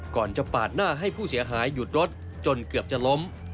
ก่อนจะปาดหน้าให้ผู้เสียหายหยุดรถจนเกือบจะล้ม